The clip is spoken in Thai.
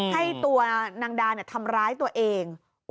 ให้ตัวนางดาทำร้ายตัวเอง